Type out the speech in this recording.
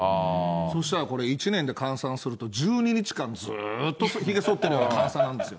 そうしたらこれ、１年で換算すると、１２日間ずーっとひげそってるような換算なんですよ。